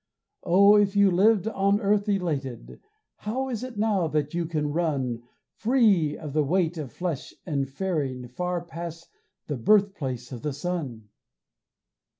Oh, if you lived on earth elated, How is it now that you can run Free of the weight of flesh and faring Far past the birthplace of the sun?